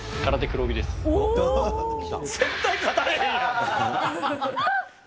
絶対勝たれへんやん！